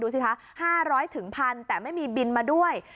ดูสิคะห้าร้อยถึงพันแต่ไม่มีบิลมาด้วย